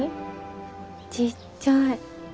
ちっちゃい。